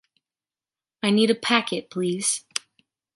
I need a packet, please.